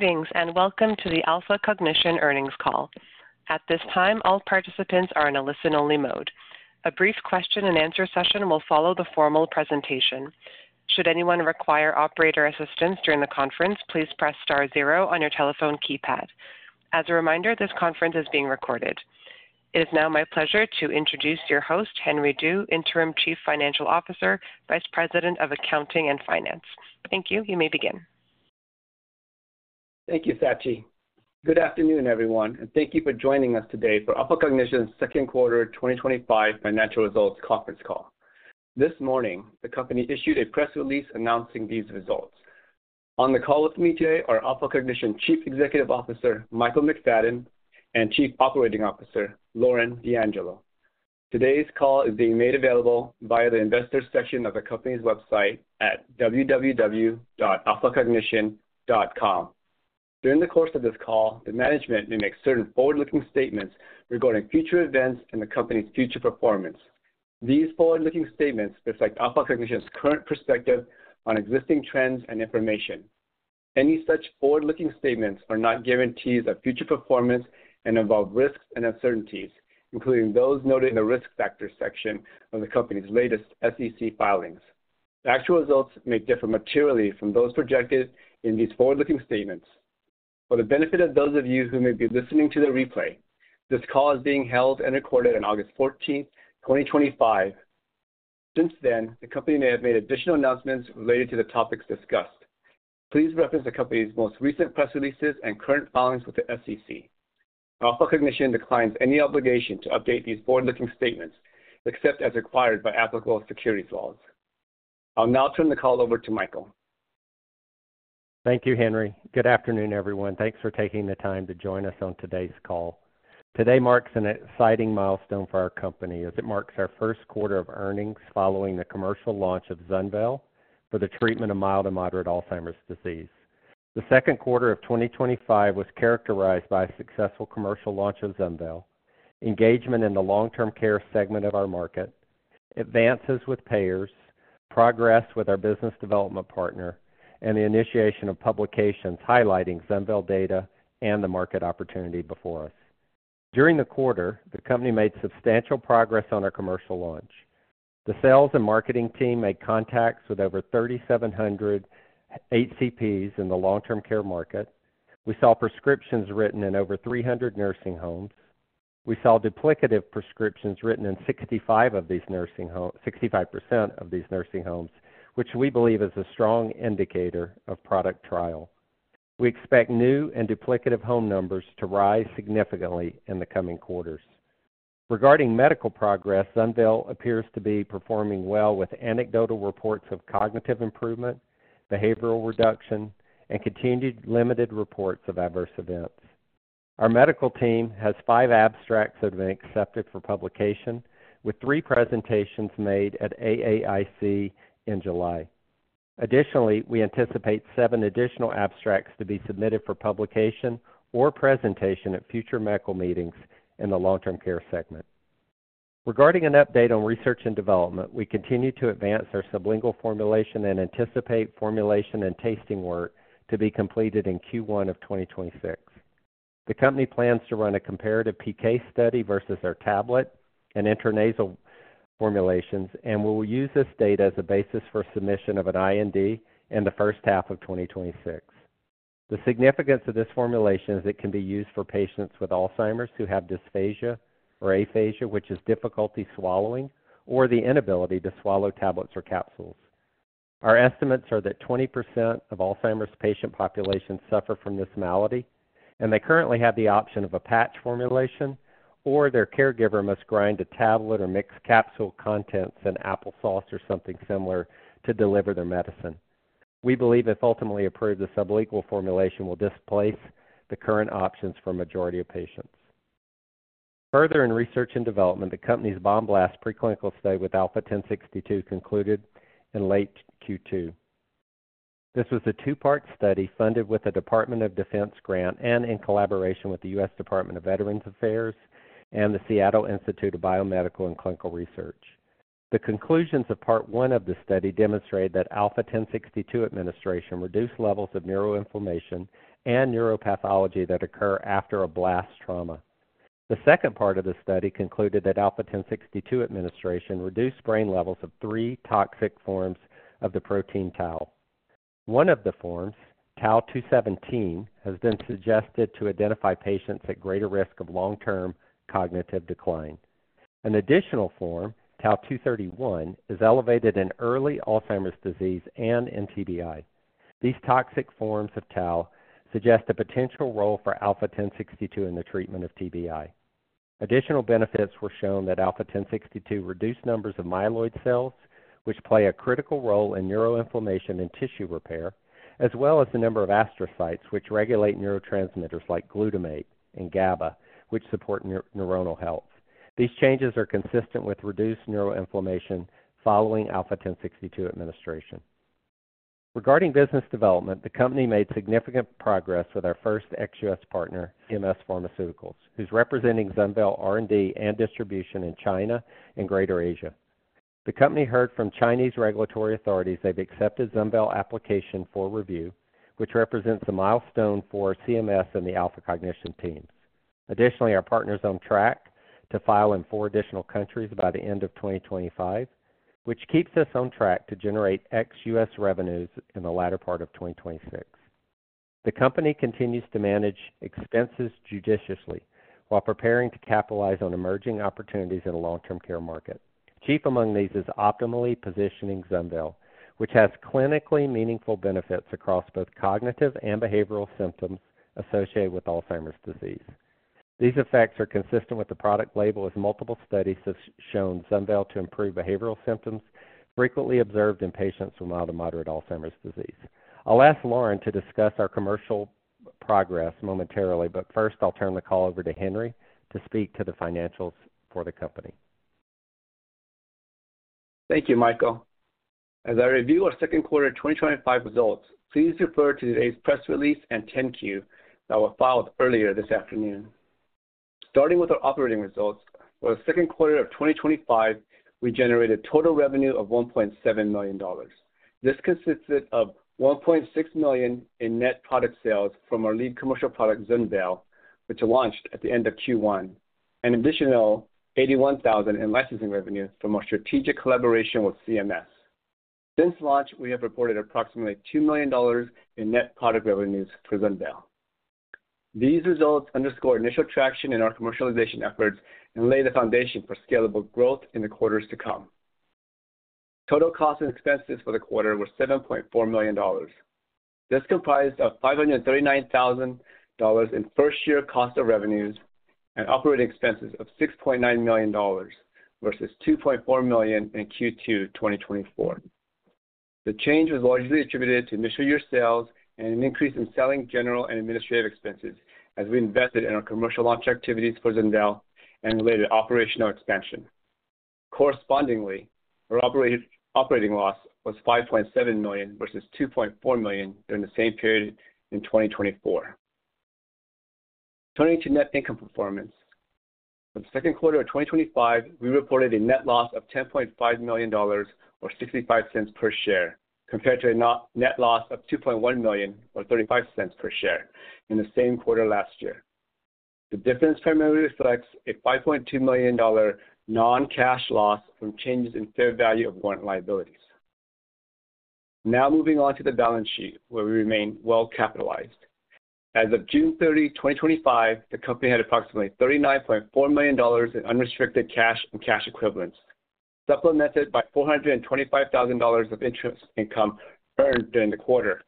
Greetings and welcome to the Alpha Cognition Earnings Call. At this time, all participants are in a listen-only mode. A brief question and answer session will follow the formal presentation. Should anyone require operator assistance during the conference, please press star zero on your telephone keypad. As a reminder, this conference is being recorded. It is now my pleasure to introduce your host, Henry Du, Interim Chief Financial Officer, Vice President of Accounting and Finance. Thank you. You may begin. Thank you, Satchi. Good afternoon, everyone, and thank you for joining us today for Alpha Cognition's Second Quarter 2025 Financial Results Conference Call. This morning, the company issued a press release announcing these results. On the call with me today are Alpha Cognition Chief Executive Officer, Michael McFadden, and Chief Operating Officer, Lauren D'Angelo. Today's call is being made available via the investor section of the company's website at www.alphacognition.com. During the course of this call, the management may make certain forward-looking statements regarding future events and the company's future performance. These forward-looking statements reflect Alpha Cognition's current perspective on existing trends and information. Any such forward-looking statements are not guarantees of future performance and involve risks and uncertainties, including those noted in the risk factors section of the company's latest SEC filings. The actual results may differ materially from those projected in these forward-looking statements. For the benefit of those of you who may be listening to the replay, this call is being held and recorded on August 14, 2025. Since then, the company may have made additional announcements related to the topics discussed. Please reference the company's most recent press releases and current filings with the SEC. Alpha Cognition declines any obligation to update these forward-looking statements except as required by applicable securities laws. I'll now turn the call over to Michael. Thank you, Henry. Good afternoon, everyone. Thanks for taking the time to join us on today's call. Today marks an exciting milestone for our company as it marks our first quarter of earnings following the commercial launch of ZUNVEYL for the treatment of mild to moderate Alzheimer's disease. The second quarter of 2025 was characterized by a successful commercial launch of ZUNVEYL, engagement in the long-term care segment of our market, advances with payers, progress with our business development partner, and the initiation of publications highlighting ZUNVEYL data and the market opportunity before us. During the quarter, the company made substantial progress on our commercial launch. The sales and marketing team made contacts with over 3,700 HCPs in the long-term care market. We saw prescriptions written in over 300 nursing homes. We saw duplicative prescriptions written in 65% of these nursing homes, which we believe is a strong indicator of product trial. We expect new and duplicative home numbers to rise significantly in the coming quarters. Regarding medical progress, ZUNVEYL appears to be performing well with anecdotal reports of cognitive improvement, behavioral reduction, and continued limited reports of adverse events. Our medical team has five abstracts that have been accepted for publication, with three presentations made at AAIC in July. Additionally, we anticipate seven additional abstracts to be submitted for publication or presentation at future medical meetings in the Long Term Care segment. Regarding an update on research and development, we continue to advance our sublingual formulation and anticipate formulation and tasting work to be completed in Q1 of 2026. The company plans to run a comparative PK study versus our tablet and intranasal formulations, and we will use this data as a basis for submission of an IND in the first half of 2026. The significance of this formulation is it can be used for patients with Alzheimer's who have dysphasia or aphasia, which is difficulty swallowing or the inability to swallow tablets or capsules. Our estimates are that 20% of Alzheimer's patient populations suffer from this malady, and they currently have the option of a patch formulation, or their caregiver must grind a tablet or mix capsule contents in applesauce or something similar to deliver their medicine. We believe if ultimately approved, the sublingual formulation will displace the current options for a majority of patients. Further in research and development, the company's Bomb Blast preclinical study with ALPHA-1062 concluded in late Q2. This was a two-part study funded with a Department of Defense grant and in collaboration with the U.S. Department of Veterans Affairs and the Seattle Institute of Biomedical and Clinical Research. The conclusions of part one of the study demonstrated that ALPHA-1062 administration reduced levels of neuroinflammation and neuropathology that occur after a blast trauma. The second part of the study concluded that ALPHA-1062 administration reduced brain levels of three toxic forms of the protein Tau. One of the forms, pTau 217, has been suggested to identify patients at greater risk of long-term cognitive decline. An additional form, pTau 231, is elevated in early Alzheimer's disease and in TBI. These toxic forms of tau suggest a potential role for ALPHA-1062 in the treatment of TBI. Additional benefits were shown that ALPHA-1062 reduced numbers of myeloid cells, which play a critical role in neuroinflammation and tissue repair, as well as the number of astrocytes, which regulate neurotransmitters like glutamate and GABA, which support neuronal health. These changes are consistent with reduced neuroinflammation following ALPHA-1062 administration. Regarding business development, the company made significant progress with our first ex-U.S. partner, CMS Pharmaceuticals, who's representing ZUNVEYL R&D and distribution in China and Greater Asia. The company heard from Chinese regulatory authorities. They've accepted ZUNVEYL application for review, which represents a milestone for CMS Pharmaceuticals and the Alpha Cognition team. Additionally, our partners are on track to file in four additional countries by the end of 2025, which keeps us on track to generate ex-U.S. revenues in the latter part of 2026. The company continues to manage expenses judiciously while preparing to capitalize on emerging opportunities in the long-term care market. Chief among these is optimally positioning ZUNVEYL, which has clinically meaningful benefits across both cognitive and behavioral symptoms associated with Alzheimer's disease. These effects are consistent with the product label as multiple studies have shown ZUNVEYL to improve behavioral symptoms frequently observed in patients with mild to moderate Alzheimer's disease. I'll ask Lauren to discuss our commercial progress momentarily, but first, I'll turn the call over to Henry to speak to the financials for the company. Thank you, Michael. As I review our second quarter 2025 results, please refer to today's press release and 10-Q that were filed earlier this afternoon. Starting with our operating results, for the second quarter of 2025, we generated a total revenue of $1.7 million. This consisted of $1.6 million in net product sales from our lead commercial product, ZUNVEYL, which launched at the end of Q1, and an additional $81,000 in licensing revenue from our strategic collaboration with CMS. Since launch, we have reported approximately $2 million in net product revenues for ZUNVEYL. These results underscore initial traction in our commercialization efforts and lay the foundation for scalable growth in the quarters to come. Total cost and expenses for the quarter were $7.4 million. This comprised $539,000 in first-year cost of revenues and operating expenses of $6.9 million versus $2.4 million in Q2 2024. The change was largely attributed to initial year sales and an increase in selling, general, and administrative expenses as we invested in our commercial launch activities for ZUNVEYL and related operational expansion. Correspondingly, our operating loss was $5.7 million versus $2.4 million during the same period in 2024. Turning to net income performance, for the second quarter of 2025, we reported a net loss of $10.5 million or $0.65 per share compared to a net loss of $2.1 million or $0.35 per share in the same quarter last year. The difference primarily reflects a $5.2 million non-cash loss from changes in fair value of warrant liabilities. Now moving on to the balance sheet where we remain well capitalized. As of June 30, 2025, the company had approximately $39.4 million in unrestricted cash and cash equivalents, supplemented by $425,000 of interest income earned during the quarter.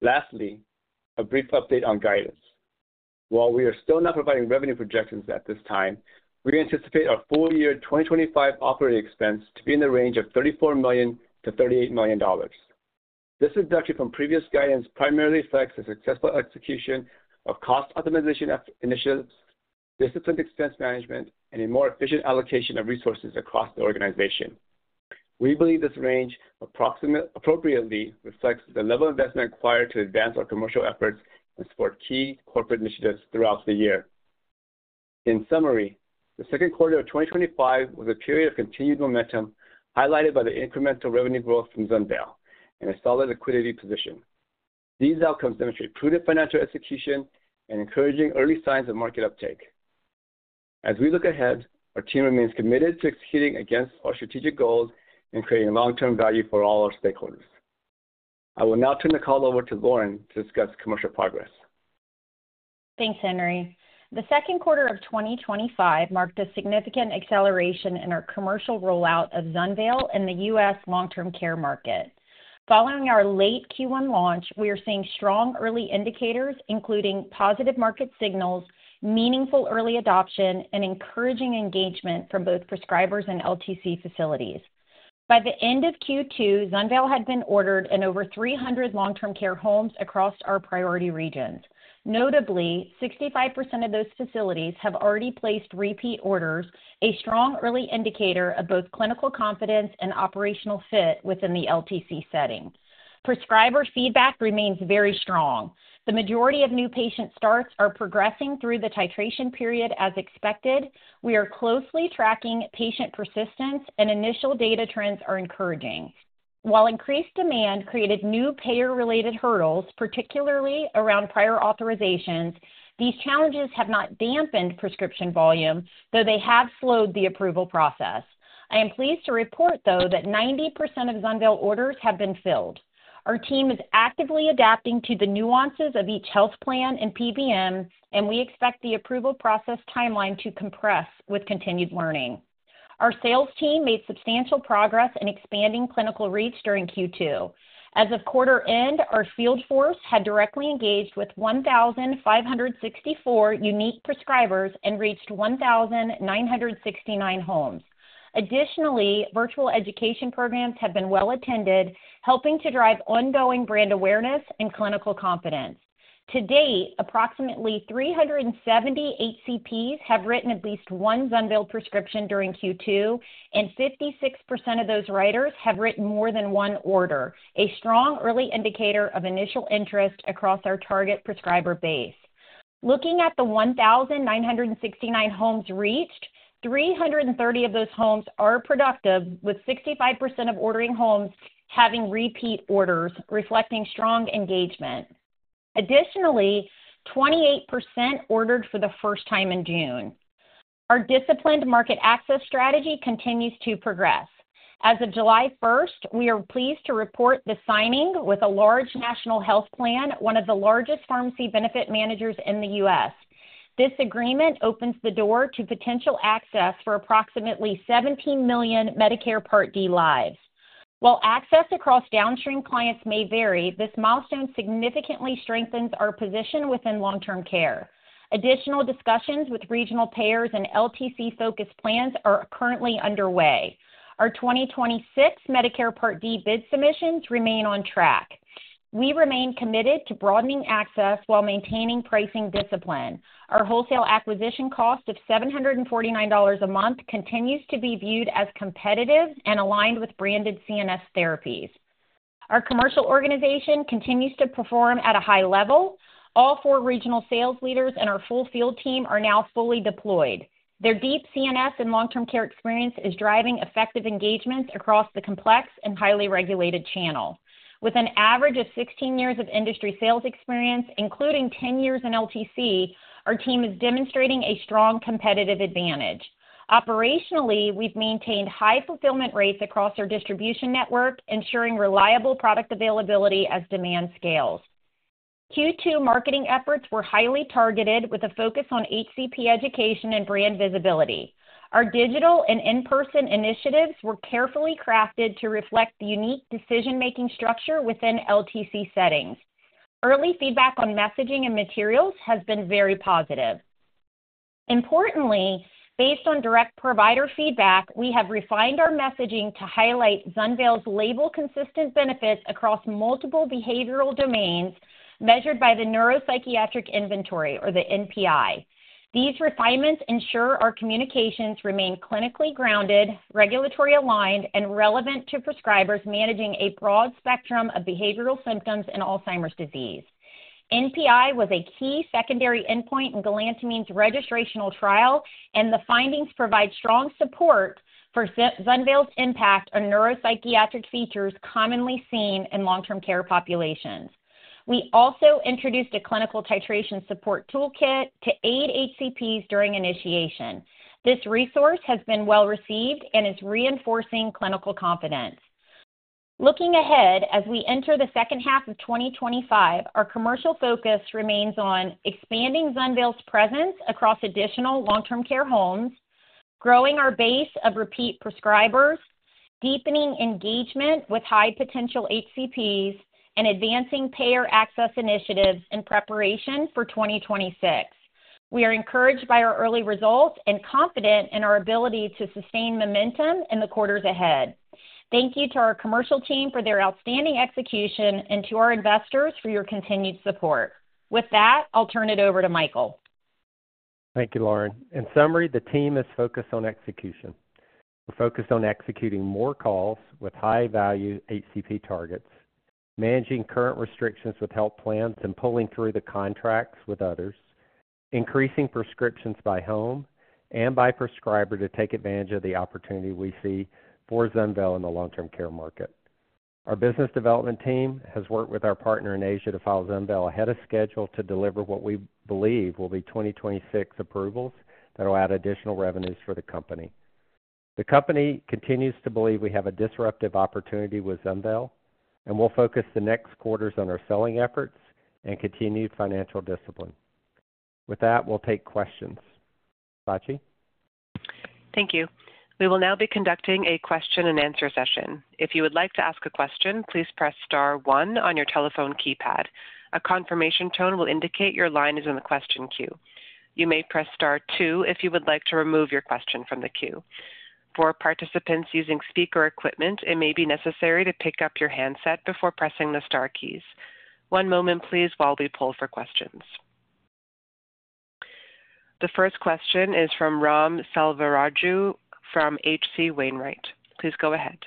Lastly, a brief update on guidance. While we are still not providing revenue projections at this time, we anticipate our full-year 2025 operating expense to be in the range of $34 million to $38 million. This reduction from previous guidance primarily reflects the successful execution of cost optimization initiatives, disciplined expense management, and a more efficient allocation of resources across the organization. We believe this range appropriately reflects the level of investment required to advance our commercial efforts and support key corporate initiatives throughout the year. In summary, the second quarter of 2025 was a period of continued momentum highlighted by the incremental revenue growth from ZUNVEYL and a solid liquidity position. These outcomes demonstrate prudent financial execution and encouraging early signs of market uptake. As we look ahead, our team remains committed to executing against our strategic goals and creating long-term value for all our stakeholders. I will now turn the call over to Lauren to discuss commercial progress. Thanks, Henry. The second quarter of 2025 marked a significant acceleration in our commercial rollout of ZUNVEYL in the U.S. long-term care market. Following our late Q1 launch, we are seeing strong early indicators, including positive market signals, meaningful early adoption, and encouraging engagement from both prescribers and LTC facilities. By the end of Q2, ZUNVEYL had been ordered in over 300 long-term care homes across our priority regions. Notably, 65% of those facilities have already placed repeat orders, a strong early indicator of both clinical confidence and operational fit within the LTC setting. Prescriber feedback remains very strong. The majority of new patient starts are progressing through the titration period as expected. We are closely tracking patient persistence, and initial data trends are encouraging. While increased demand created new payer-related hurdles, particularly around prior authorizations, these challenges have not dampened prescription volume, though they have slowed the approval process. I am pleased to report, though, that 90% of ZUNVEYL orders have been filled. Our team is actively adapting to the nuances of each health plan and PBM, and we expect the approval process timeline to compress with continued learning. Our sales team made substantial progress in expanding clinical reach during Q2. As of quarter end, our field force had directly engaged with 1,564 unique prescribers and reached 1,969 homes. Additionally, virtual education programs have been well attended, helping to drive ongoing brand awareness and clinical confidence. To date, approximately 370 HCPs have written at least one ZUNVEYL prescription during Q2, and 56% of those writers have written more than one order, a strong early indicator of initial interest across our target prescriber base. Looking at the 1,969 homes reached, 330 of those homes are productive, with 65% of ordering homes having repeat orders, reflecting strong engagement. Additionally, 28% ordered for the first time in June. Our disciplined market access strategy continues to progress. As of July 1, we are pleased to report the signing with a large national health plan, one of the largest pharmacy benefit managers in the U.S. This agreement opens the door to potential access for approximately 17 million Medicare Part D lives. While access across downstream clients may vary, this milestone significantly strengthens our position within long-term care. Additional discussions with regional payers and LTC-focused plans are currently underway. Our 2026 Medicare Part D bid submissions remain on track. We remain committed to broadening access while maintaining pricing discipline. Our wholesale acquisition cost of $749 a month continues to be viewed as competitive and aligned with branded CNS therapies. Our commercial organization continues to perform at a high level. All four regional sales leaders and our full field team are now fully deployed. Their deep CNS and long-term care experience is driving effective engagements across the complex and highly regulated channel. With an average of 16 years of industry sales experience, including 10 years in LTC, our team is demonstrating a strong competitive advantage. Operationally, we've maintained high fulfillment rates across our distribution network, ensuring reliable product availability as demand scales. Q2 marketing efforts were highly targeted with a focus on HCP education and brand visibility. Our digital and in-person initiatives were carefully crafted to reflect the unique decision-making structure within LTC settings. Early feedback on messaging and materials has been very positive. Importantly, based on direct provider feedback, we have refined our messaging to highlight ZUNVEYL's label-consistent benefits across multiple behavioral domains measured by the Neuropsychiatric Inventory, or the NPI. These refinements ensure our communications remain clinically grounded, regulatory aligned, and relevant to prescribers managing a broad spectrum of behavioral symptoms in Alzheimer's disease. NPI was a key secondary endpoint in galantamine's registrational trial, and the findings provide strong support for ZUNVEYL's impact on neuropsychiatric features commonly seen in long-term care populations. We also introduced a clinical titration support toolkit to aid HCPs during initiation. This resource has been well received and is reinforcing clinical confidence. Looking ahead, as we enter the second half of 2025, our commercial focus remains on expanding ZUNVEYL's presence across additional long-term care homes, growing our base of repeat prescribers, deepening engagement with high-potential HCPs, and advancing payer access initiatives in preparation for 2026. We are encouraged by our early results and confident in our ability to sustain momentum in the quarters ahead. Thank you to our commercial team for their outstanding execution and to our investors for your continued support. With that, I'll turn it over to Michael. Thank you, Lauren. In summary, the team is focused on execution. We're focused on executing more calls with high-value HCP targets, managing current restrictions with health plans and pulling through the contracts with others, increasing prescriptions by home and by prescriber to take advantage of the opportunity we see for ZUNVEYL in the long-term care market. Our business development team has worked with our partner in Asia to file ZUNVEYL ahead of schedule to deliver what we believe will be 2026 approvals that will add additional revenues for the company. The company continues to believe we have a disruptive opportunity with ZUNVEYL, and we'll focus the next quarters on our selling efforts and continued financial discipline. With that, we'll take questions. Satchi? Thank you. We will now be conducting a question and answer session. If you would like to ask a question, please press star one on your telephone keypad. A confirmation tone will indicate your line is in the question queue. You may press star two if you would like to remove your question from the queue. For participants using speaker equipment, it may be necessary to pick up your handset before pressing the star keys. One moment, please, while we pull for questions. The first question is from Ram Selvaraju from H.C. Wainwright. Please go ahead.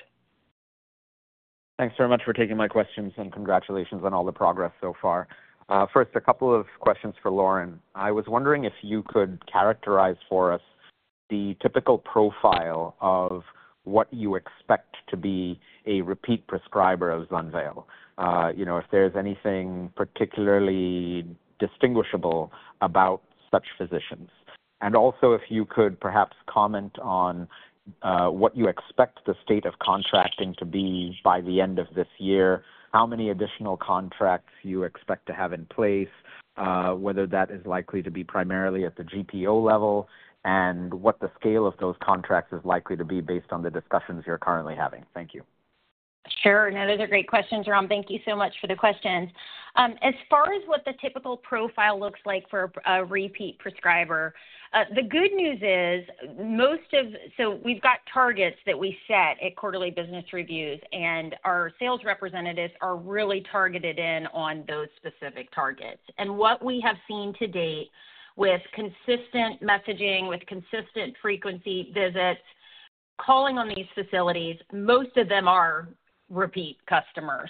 Thanks very much for taking my questions and congratulations on all the progress so far. First, a couple of questions for Lauren. I was wondering if you could characterize for us the typical profile of what you expect to be a repeat prescriber of ZUNVEYL. If there's anything particularly distinguishable about such physicians, and also, if you could perhaps comment on what you expect the state of contracting to be by the end of this year, how many additional contracts you expect to have in place, whether that is likely to be primarily at the GPO level, and what the scale of those contracts is likely to be based on the discussions you're currently having. Thank you. Sure. That is a great question, Jerome. Thank you so much for the questions. As far as what the typical profile looks like for a repeat prescriber, the good news is most of, so we've got targets that we set at quarterly business reviews, and our sales representatives are really targeted in on those specific targets. What we have seen to date with consistent messaging, with consistent frequency visits, calling on these facilities, most of them are repeat customers.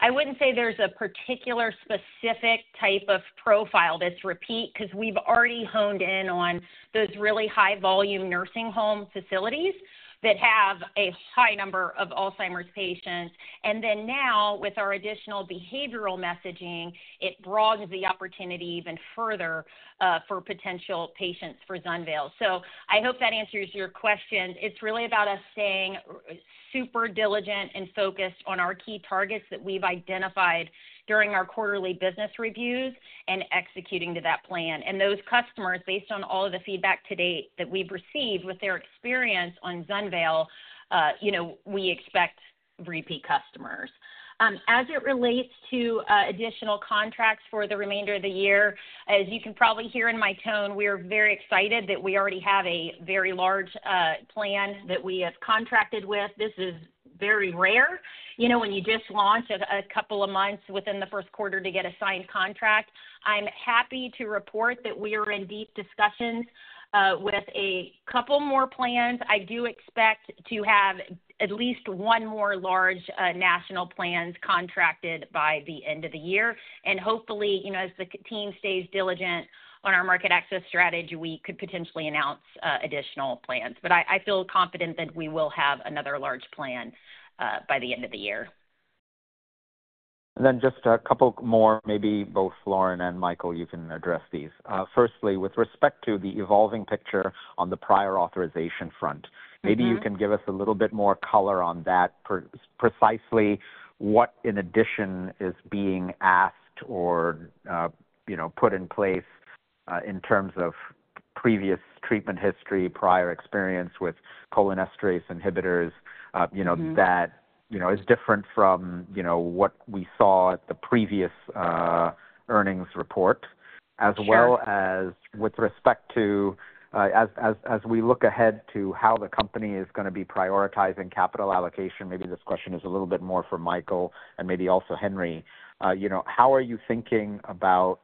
I wouldn't say there's a particular specific type of profile that's repeat because we've already honed in on those really high-volume nursing home facilities that have a high number of Alzheimer's patients. Now, with our additional behavioral messaging, it broadens the opportunity even further for potential patients for ZUNVEYL. I hope that answers your question. It's really about us staying super diligent and focused on our key targets that we've identified during our quarterly business reviews and executing to that plan. Those customers, based on all of the feedback to date that we've received with their experience on ZUNVEYL, we expect repeat customers. As it relates to additional contracts for the remainder of the year, as you can probably hear in my tone, we are very excited that we already have a very large plan that we have contracted with. This is very rare. You know, when you just launch a couple of months within the first quarter to get a signed contract. I'm happy to report that we are in deep discussions with a couple more plans. I do expect to have at least one more large national plan contracted by the end of the year. Hopefully, as the team stays diligent on our market access strategy, we could potentially announce additional plans. I feel confident that we will have another large plan by the end of the year. Just a couple more, maybe both Lauren and Michael, you can address these. Firstly, with respect to the evolving picture on the prior authorization front, maybe you can give us a little bit more color on that. Precisely what in addition is being asked or put in place in terms of previous treatment history, prior experience with cholinesterase inhibitors, that is different from what we saw at the previous earnings report. As well as with respect to, as we look ahead to how the company is going to be prioritizing capital allocation, maybe this question is a little bit more for Michael and maybe also Henry. How are you thinking about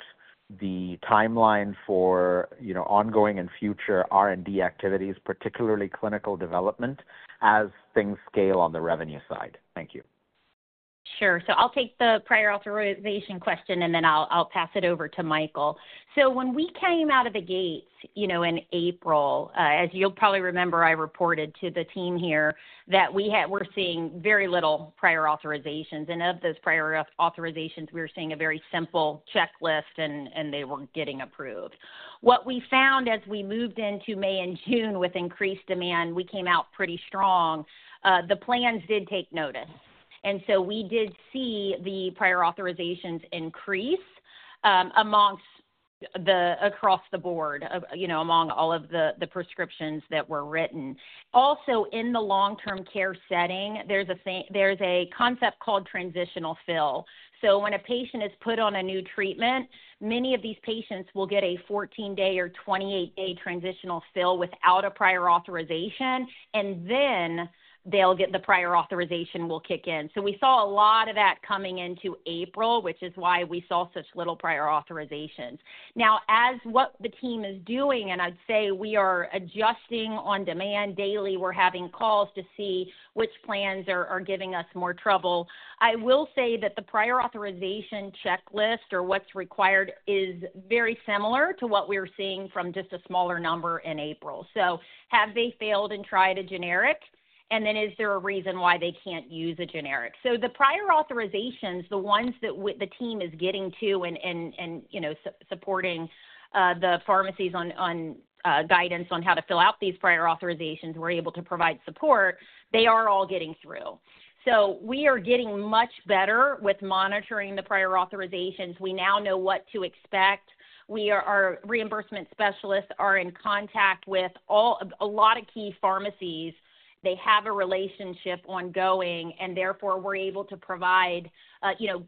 the timeline for ongoing and future R&D activities, particularly clinical development as things scale on the revenue side? Thank you. Sure. I'll take the prior authorization question and then I'll pass it over to Michael. When we came out of the gates in April, as you'll probably remember, I reported to the team here that we were seeing very little prior authorizations. Of those prior authorizations, we were seeing a very simple checklist and they weren't getting approved. What we found as we moved into May and June with increased demand, we came out pretty strong. The plans did take notice. We did see the prior authorizations increase across the board among all of the prescriptions that were written. Also, in the long-term care setting, there's a concept called transitional fill. When a patient is put on a new treatment, many of these patients will get a 14-day or 28-day transitional fill without a prior authorization. Then the prior authorization will kick in. We saw a lot of that coming into April, which is why we saw such little prior authorizations. Now, as what the team is doing, and I'd say we are adjusting on demand daily, we're having calls to see which plans are giving us more trouble. I will say that the prior authorization checklist or what's required is very similar to what we're seeing from just a smaller number in April. Have they failed and tried a generic? Is there a reason why they can't use a generic? The prior authorizations, the ones that the team is getting to and supporting the pharmacies on guidance on how to fill out these prior authorizations, we're able to provide support. They are all getting through. We are getting much better with monitoring the prior authorizations. We now know what to expect. Our reimbursement specialists are in contact with a lot of key pharmacies. They have a relationship ongoing, and therefore we're able to provide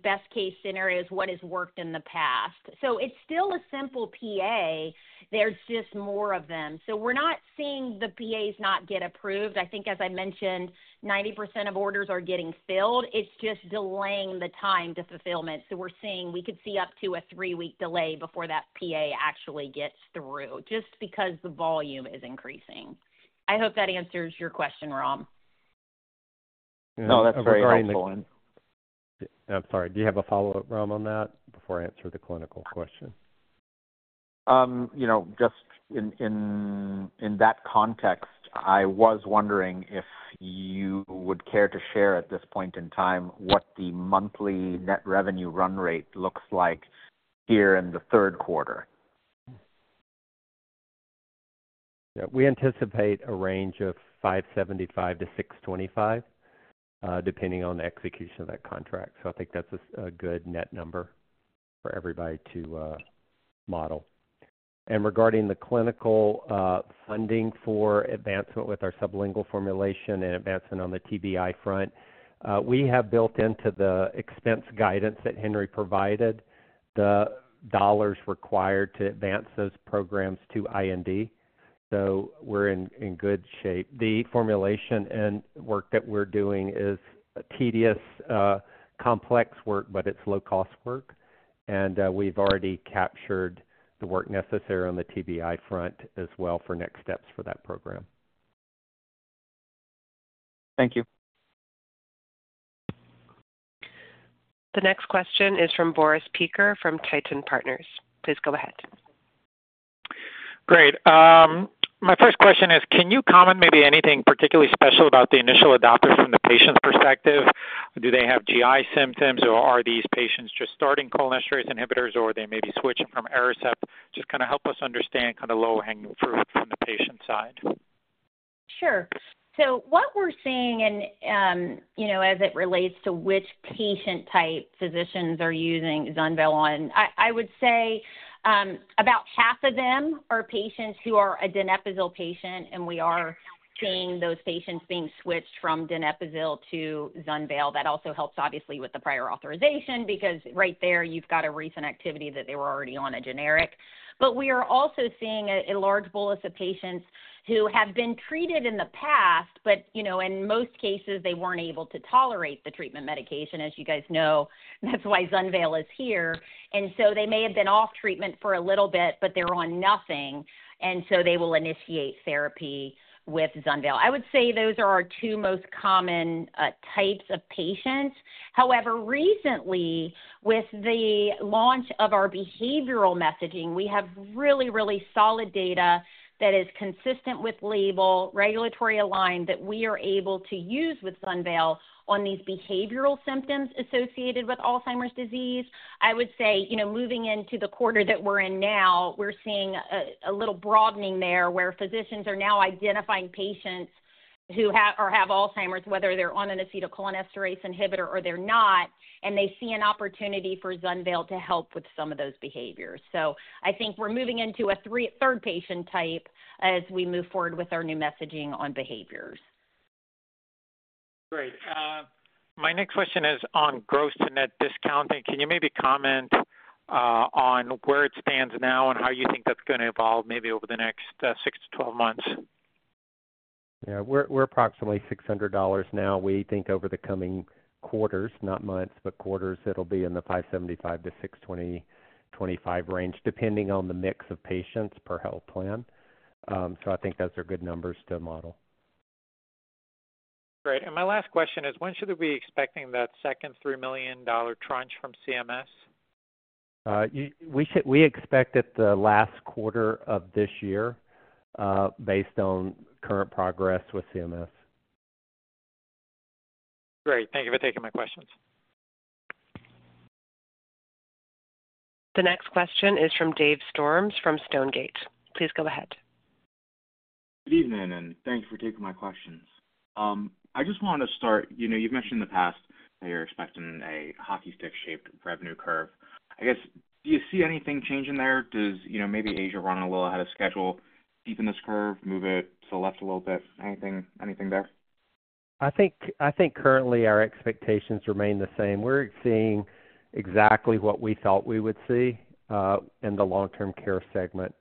best-case scenarios, what has worked in the past. It's still a simple PA. There's just more of them. We're not seeing the PAs not get approved. I think, as I mentioned, 90% of orders are getting filled. It's just delaying the time to fulfillment. We're seeing we could see up to a three-week delay before that PA actually gets through just because the volume is increasing. I hope that answers your question, Ram. No, that's very helpful. I'm sorry. Do you have a follow-up, Ram, on that before I answer the clinical question? You know. In that context, I was wondering if you would care to share at this point in time what the monthly net revenue run rate looks like here in the third quarter. We anticipate a range of $575 to $625, depending on the execution of that contract. I think that's a good net number for everybody to model. Regarding the clinical funding for advancement with our sublingual formulation and advancement on the TBI front, we have built into the expense guidance that Henry provided the dollars required to advance those programs to IND. We're in good shape. The formulation and work that we're doing is tedious, complex work, but it's low-cost work. We've already captured the work necessary on the TBI front as well for next steps for that program. Thank you. The next question is from Boris Peeker from Titan Partners. Please go ahead. Great. My first question is, can you comment maybe anything particularly special about the initial adopters from the patient's perspective? Do they have GI symptoms, or are these patients just starting cholinesterase inhibitors, or are they maybe switching from Aricept? Just kind of help us understand kind of low-hanging fruit from the patient side. Sure. What we're seeing as it relates to which patient type physicians are using ZUNVEYL on, I would say about half of them are patients who are a donepezil patient, and we are seeing those patients being switched from donepezil to ZUNVEYL. That also helps, obviously, with the prior authorization because right there you've got a recent activity that they were already on a generic. We are also seeing a large bolus of patients who have been treated in the past, but in most cases, they weren't able to tolerate the treatment medication, as you guys know. That's why ZUNVEYL is here. They may have been off treatment for a little bit, but they're on nothing, and they will initiate therapy with ZUNVEYL. I would say those are our two most common types of patients. However, recently, with the launch of our behavioral messaging, we have really, really solid data that is consistent with label, regulatory aligned that we are able to use with ZUNVEYL on these behavioral symptoms associated with Alzheimer's disease. I would say, moving into the quarter that we're in now, we're seeing a little broadening there where physicians are now identifying patients who have Alzheimer's, whether they're on an acetylcholinesterase inhibitor or they're not, and they see an opportunity for ZUNVEYL to help with some of those behaviors. I think we're moving into a third patient type as we move forward with our new messaging on behaviors. Great. My next question is on gross-to-net discounting. Can you maybe comment on where it stands now and how you think that's going to evolve over the next 6 to 12 months? Yeah, we're approximately $600 now. We think over the coming quarters, not months, but quarters, it'll be in the $575 to $625 range, depending on the mix of patients per health plan. I think those are good numbers to model. Great. My last question is, when should we be expecting that second $3 million tranche from CMS? We expect it the last quarter of this year, based on current progress with CMS. Great. Thank you for taking my questions. The next question is from Dave Storms from Stonegate. Please go ahead. Good evening, and thank you for taking my questions. I just wanted to start, you've mentioned in the past that you're expecting a hockey stick-shaped revenue curve. Do you see anything changing there? Does maybe Asia run a little ahead of schedule, deepen this curve, move it to the left a little bit? Anything there? I think currently our expectations remain the same. We're seeing exactly what we thought we would see in the long-term care segment.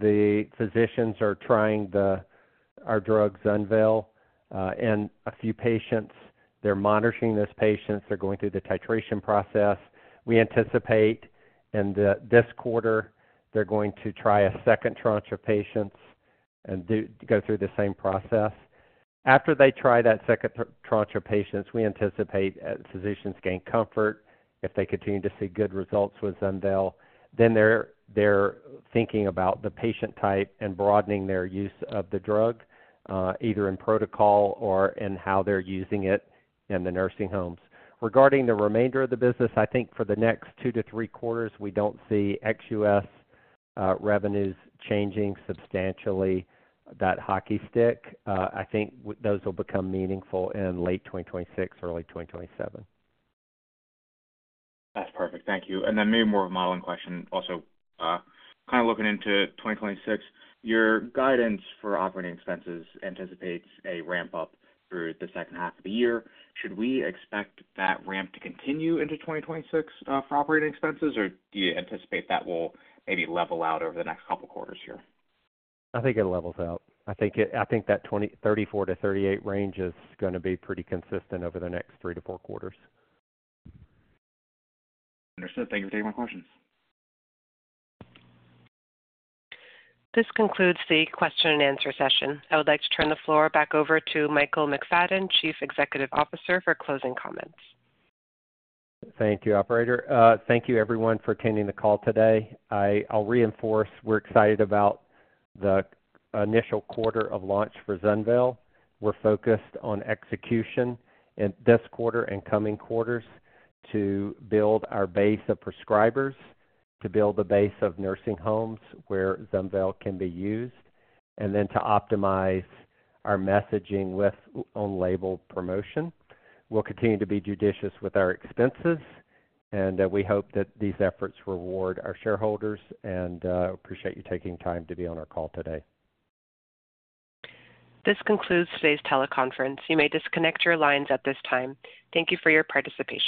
The physicians are trying our drug ZUNVEYL in a few patients. They're monitoring those patients. They're going through the titration process. We anticipate in this quarter they're going to try a second tranche of patients and go through the same process. After they try that second tranche of patients, we anticipate physicians gain comfort. If they continue to see good results with ZUNVEYL, then they're thinking about the patient type and broadening their use of the drug, either in protocol or in how they're using it in the nursing homes. Regarding the remainder of the business, I think for the next two to three quarters, we don't see ex-U.S. revenues changing substantially, that hockey stick. I think those will become meaningful in late 2026, early 2027. That's perfect. Thank you. Maybe more of a modeling question also, kind of looking into 2026. Your guidance for operating expenses anticipates a ramp-up through the second half of the year. Should we expect that ramp to continue into 2026 for operating expenses, or do you anticipate that will maybe level out over the next couple of quarters here? I think it levels out. I think that $34 to $38 range is going to be pretty consistent over the next three to four quarters. Understood. Thank you for taking my questions. This concludes the question and answer session. I would like to turn the floor back over to Michael McFadden, Chief Executive Officer, for closing comments. Thank you, Operator. Thank you, everyone, for attending the call today. I'll reinforce we're excited about the initial quarter of launch for ZUNVEYL. We're focused on execution in this quarter and coming quarters to build our base of prescribers, to build the base of nursing homes where ZUNVEYL can be used, and to optimize our messaging with on-label promotion. We'll continue to be judicious with our expenses, and we hope that these efforts reward our shareholders. I appreciate you taking time to be on our call today. This concludes today's teleconference. You may disconnect your lines at this time. Thank you for your participation.